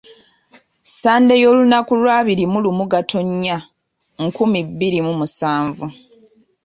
Ssande y’olunaku lwa abiri mu lumu Gatonnya, nkumi bbiri mu musanvu.